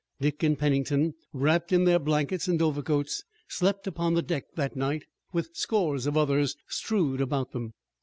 Dick and Pennington, wrapped in their blankets and overcoats, slept upon the deck that night, with scores of others strewed about them.